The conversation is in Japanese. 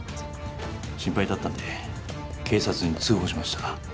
心配だったので警察に通報しました。